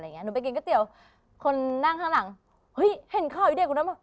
หนูไปกินก๋วยเตี๋ยวคนนั่งข้างหลังเฮ้ยเห็นข้าวไอ้เด็กคนนั้นป่